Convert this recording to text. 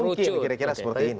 mungkin kira kira seperti ini